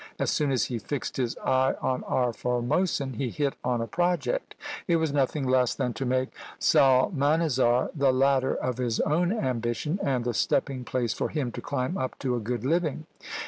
As soon as he fixed his eye on our Formosan, he hit on a project; it was nothing less than to make Psalmanazar the ladder of his own ambition, and the stepping place for him to climb up to a good living!